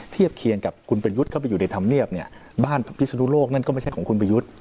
เทียบเคียงกับคุณประยุทธ์เข้าไปอยู่ในธรรมเนียบเนี่ยบ้านพิศนุโลกนั่นก็ไม่ใช่ของคุณประยุทธ์